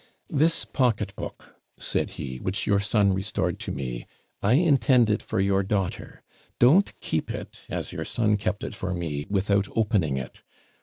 'This pocket book,' said he, 'which your son restored to me I intend it for your daughter don't keep it, as your son kept it for me, without opening it.